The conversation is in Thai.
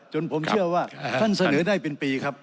จนผมเชื่อว่าท่านเสนอได้เป็นปีครับ